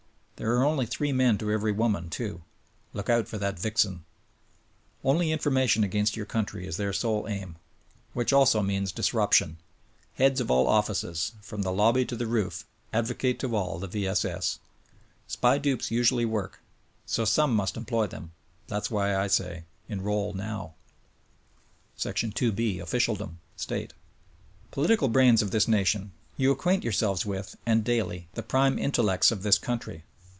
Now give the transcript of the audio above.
There are only three men to every woman, too. Look out for that vixen ! Only information against your country is their sole aim. Which also means disruption. Heads of all offices: From the lobby to the roof, advocate to all, the V. S. S. !,,^,,, T SPY dupes usually work; so some one must employ them. That s why 1 say: Enroll Now! SPY PROOF AMERICA 31 2B. ( Officialdom )— State. Political brains of this nation: You acquaint yourselves with, and daily, the prime intellects of this country.